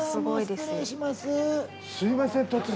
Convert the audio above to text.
すいません突然。